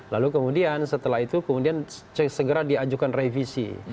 lalu kemudian setelah itu kemudian segera diajukan revisi